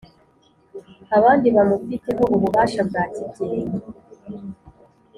abandi bamufiteho ububasha bwa kibyeyi